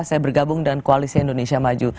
saya bergabung dengan koalisi indonesia maju